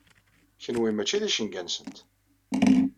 Kenwi mačči d icenga-nsent.